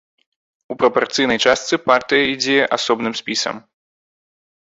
У прапарцыйнай частцы партыя ідзе асобным спісам.